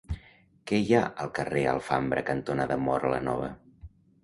Què hi ha al carrer Alfambra cantonada Móra la Nova?